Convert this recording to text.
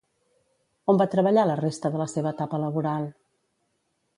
On va treballar la resta de la seva etapa laboral?